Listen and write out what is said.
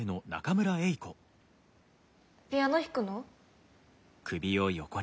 ピアノ弾くの？